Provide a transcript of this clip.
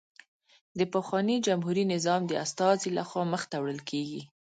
د پخواني جمهوري نظام د استازي له خوا مخته وړل کېږي